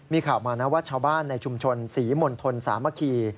มีข่าวมานะว่าชาวบ้านในชุมชนศรีมณฑลสามัคคี